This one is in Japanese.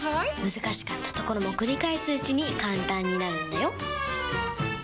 難しかったところも繰り返すうちに簡単になるんだよ！